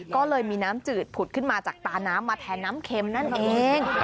ก็เลยมีน้ำจืดผุดขึ้นมาจากตาน้ำมาแทนน้ำเค็มนั่นเอง